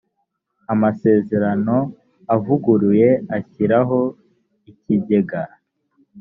amasezerano avuguruye ashyiraho ikigega